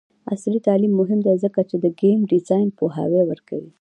عصري تعلیم مهم دی ځکه چې د ګیم ډیزاین پوهاوی ورکوي.